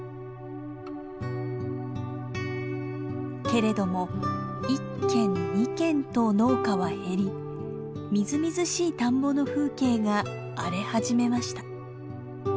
けれども１軒２軒と農家は減りみずみずしい田んぼの風景が荒れ始めました。